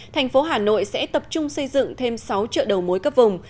thành phố hà nội sẽ tập trung xây dựng thêm sáu chợ đầu mối cấp vùng